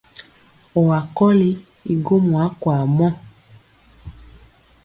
Ɔwa kɔli i gwomɔ akwaa mɔ.